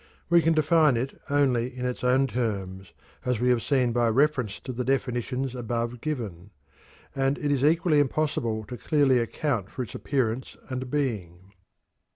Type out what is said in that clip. We can define it only in its own terms, as will be seen by reference to the definitions above given. And it is equally impossible to clearly account for its appearance and being.